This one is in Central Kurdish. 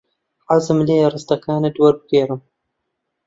حەزم لێیە ڕستەکانت وەربگێڕم.